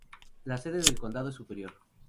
La sede del condado es Superior.